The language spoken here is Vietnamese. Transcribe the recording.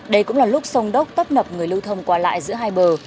đây cũng là lúc sông đốc tấp nập người lưu thông qua lại giữa hai bờ